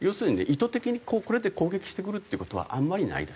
意図的にこれで攻撃してくるっていう事はあんまりないですね。